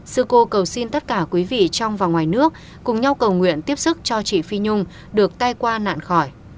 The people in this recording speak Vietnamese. sư cô cầu xin tất cả quý vị trong và ngoài nước cùng nhau cầu nguyện tiếp sức cho chị phi nhung được tay qua nạn khỏi